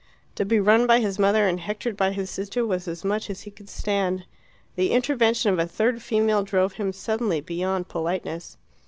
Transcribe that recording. To be run by his mother and hectored by his sister was as much as he could stand. The intervention of a third female drove him suddenly beyond politeness.